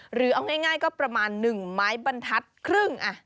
หรือเอาง่ายก็ประมาณ๑ไม้บรรทัศน์ครึ่ง